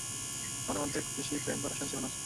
আমাদের মধ্যে খুব বেশি প্রেম বা রসায়ন ছিল না।